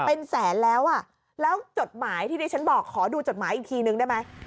เป็นแสนแล้วอ่ะแล้วจดหมายที่ดิฉันบอกขอดูจดหมายอีกทีนึงได้ไหม